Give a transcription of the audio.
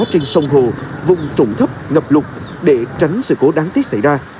trên sông hồ vùng trụng thấp ngập lụt để tránh sự cố đáng tiếc xảy ra